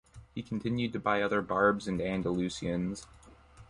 He continued to buy other Barbs and Andalusians.